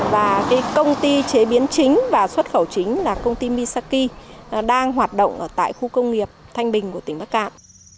và công ty chế biến chính và xuất khẩu chính là công ty misaki đang hoạt động tại khu công nghiệp thanh bình của tỉnh bắc cạn